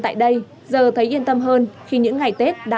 tại đây giờ thấy yên tâm hơn khi những ngày tết đang cận kề